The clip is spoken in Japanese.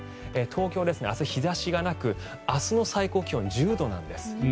東京、明日、日差しがなく明日の最高気温１０度なんです。